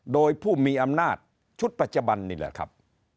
โดยผู้มีอำนาจชุดปัจจุบันนี่แหละครับ